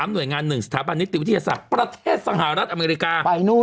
หน่วยงาน๑สถาบันนิติวิทยาศาสตร์ประเทศสหรัฐอเมริกาไปนู่น